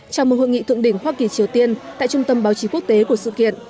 chào mừng hội nghị thượng đỉnh hoa kỳ triều tiên tại trung tâm báo chí quốc tế của sự kiện